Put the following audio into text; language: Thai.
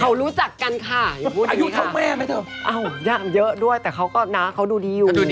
สรุปดอกไม้ที่ขวัญอุตสามันอีตโพสต์